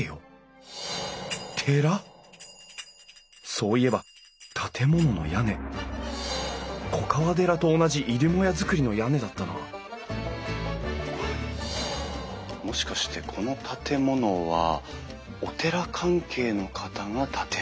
そういえば建物の屋根粉河寺と同じ入り母屋造りの屋根だったなもしかしてこの建物はお寺関係の方が建てられた？